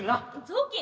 雑巾？